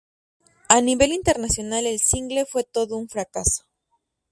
A nivel internacional, el single fue todo un fracaso.